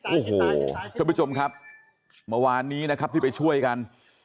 โอ้โหท่านผู้ชมครับเมื่อวานนี้นะครับที่ไปช่วยกัน